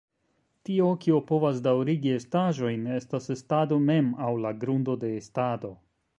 Tio, kio povas daŭrigi estaĵojn estas estado mem, aŭ la "grundo de estado.